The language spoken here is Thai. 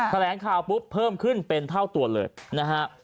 แถลงข่าวปุ๊บเพิ่มขึ้นเป็นเท่าตัวเลยนะฮะ